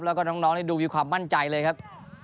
แล้วก็น้องดูมีความมั่นใจเลยครับ